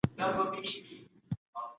د دولت کمزورتیا د همدې تګلارو له امله وه.